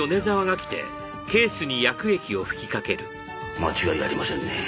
間違いありませんね。